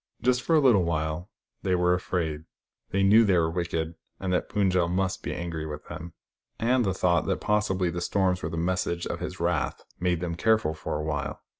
Just for a little while, they were afraid. They knew they were wicked, and that Pund jel must be angry with them ; and the thought that possibly the storms were the message of his wrath made them careful for awhile.